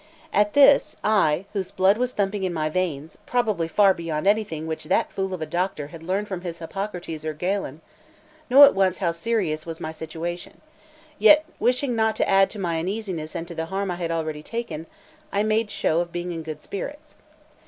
At this, I, whose blood was thumping in my veins, probably far beyond anything which that fool of a doctor had learned from his Hippocrates or Galen, knew at once how serious was my situation; yet wishing not to add to my uneasiness and to the harm I had already taken, I made show of being in good spirits.